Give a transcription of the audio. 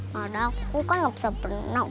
padahal aku kan ga bisa pernah